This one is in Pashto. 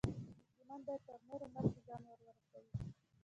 مسلمان باید تر نورو مخکې ځان ورورسوي.